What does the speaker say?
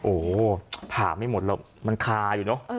โอ้โหผ่าไม่หมดหรอกมันคาอยู่เนอะ